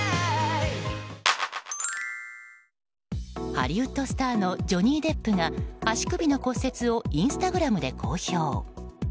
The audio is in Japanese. ハリウッドスターのジョニー・デップが足首の骨折をインスタグラムで公表。